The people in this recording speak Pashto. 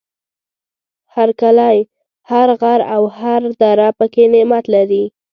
هر کلی، هر غر او هر دره پکې نعمت لري.